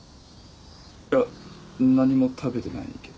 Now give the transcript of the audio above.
いや何も食べてないけど。